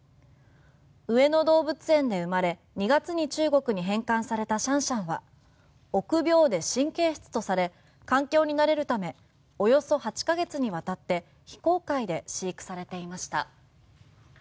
上野動物園で生まれ２月に中国に返還されたシャンシャンは臆病で神経質とされ環境に慣れるためおよそ８ヶ月にわたって非公開で飼育されていました。